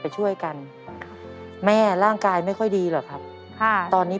เจอปี